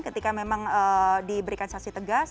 ketika memang diberikan saksi tegas